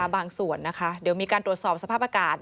บางส่วนนะคะเดี๋ยวมีการตรวจสอบสภาพอากาศ